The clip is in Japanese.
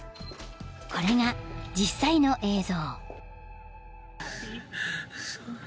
これが実際の映像］